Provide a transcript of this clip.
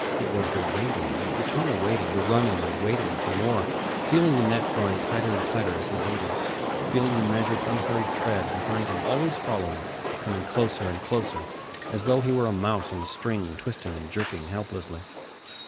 It was the waiting, the eternal waiting, and running, waiting some more, feeling the net drawing tighter and tighter as he waited, feeling the measured, unhurried tread behind him, always following, coming closer and closer, as though he were a mouse on a string, twisting and jerking helplessly.